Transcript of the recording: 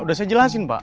sudah saya jelaskan pak